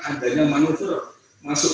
adanya manufur masuk